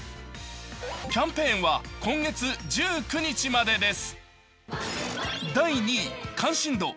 キャンペーンは今月１９日までです。